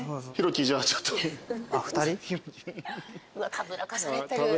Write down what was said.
たぶらかされてる。